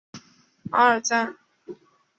阿尔赞。